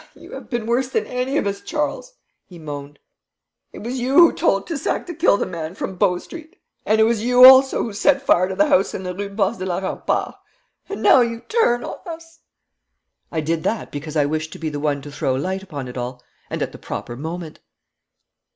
'Why, you have been worse than any of us, Charles,' he moaned. 'It was you who told Toussac to kill the man from Bow Street, and it was you also who set fire to the house in the Rue Basse de la Rampart. And now you turn on us!' 'I did that because I wished to be the one to throw light upon it all and at the proper moment.'